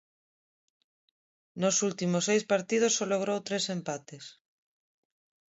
Nos últimos seis partidos só logrou tres empates.